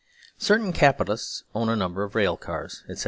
Certain Capitalists own a number of rails, cars, etc.